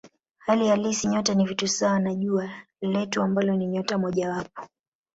Hali halisi nyota ni vitu sawa na Jua letu ambalo ni nyota mojawapo.